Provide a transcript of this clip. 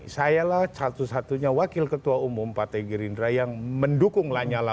saya lah satu satunya wakil ketua umum pak t girindra yang mendukung lanyala